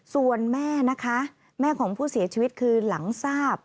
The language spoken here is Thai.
ส่วนแม่นะคะแม่ของผู้เสียชีวิตคือหลังทราบ